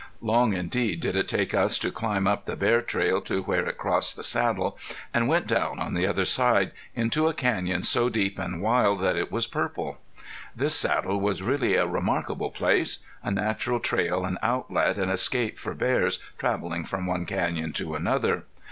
Long indeed did it take us to climb up the bear trail to where it crossed the saddle and went down on the other side into a canyon so deep and wild that it was purple. This saddle was really a remarkable place a natural trail and outlet and escape for bears traveling from one canyon to another.